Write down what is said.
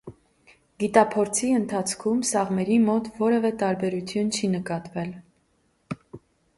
Գիտափորձի ընթացքում սաղմերի մոտ որևէ տարբերություն չի նկատվել։